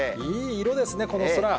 いい色ですね、この空。